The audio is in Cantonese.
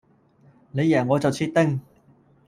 你贏我就切丁